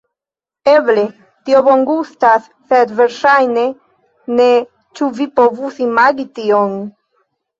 Eble, tio bongustas sed verŝajne ne... ĉu vi povus imagi tion?